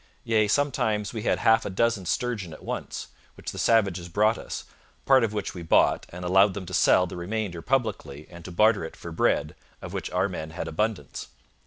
Yea, sometimes we had half a dozen sturgeon at once, which the savages brought us, part of which we bought, and allowed them to sell the remainder publicly and to barter it for bread, of which our men had abundance.